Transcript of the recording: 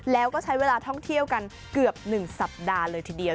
แล้วก็ใช้เวลาท่องเที่ยวกันเกือบ๑สัปดาห์เลยทีเดียว